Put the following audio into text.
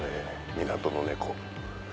港の猫。